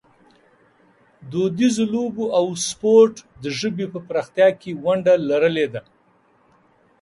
دودیزو لوبو او سپورټ د ژبې په پراختیا کې ونډه لرلې ده.